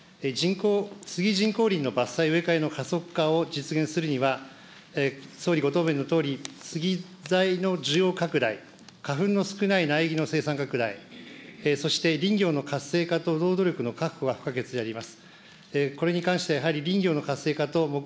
スギ人工林の伐採、植え替えの加速化を実現するには、総理、ご答弁のとおり、スギ材の需要拡大、花粉の少ない苗木の生産拡大、そして林業の活性化と労働力の確保が不可欠であります。